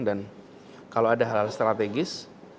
dan kalau ada hal hal strategis